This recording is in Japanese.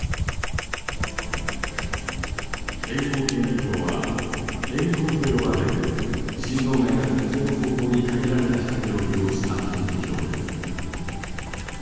偏光顕微鏡は偏光と呼ばれる振動面が特定の方向に限られた光を利用した顕微鏡です。